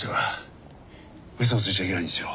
うそをついちゃいけないんですよ